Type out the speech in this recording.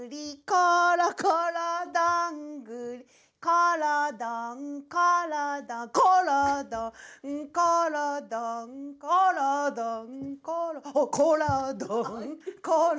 「ころころどんぐり」「ころどんころどん」「ころどんころどん」「ころどんころどん」「ころどんころ」